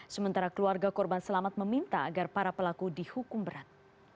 sementara keluarga korban selamat meminta agar para pelaku dihukum berat